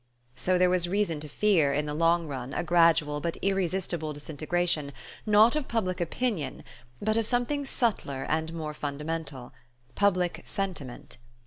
So there was reason to fear, in the long run, a gradual but irresistible disintegration, not of public opinion, but of something subtler and more fundamental: public sentiment.